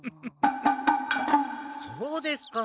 そうですか。